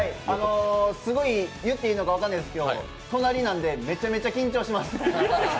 すごい言っていいのか分かんないですけど隣なんで、めちゃめちゃ緊張します。